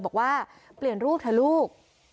บอกว่าเปลี่ยนลูกเถอะลูก